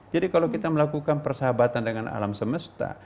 kalau kita melakukan persahabatan dengan alam semesta